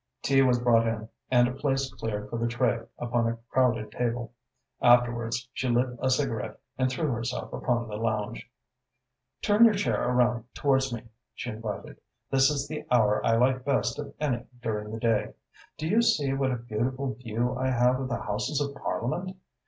Tea was brought in, and a place cleared for the tray upon a crowded table. Afterwards she lit a cigarette and threw herself upon the lounge. "Turn your chair around towards me," she invited. "This is the hour I like best of any during the day. Do you see what a beautiful view I have of the Houses of Parliament?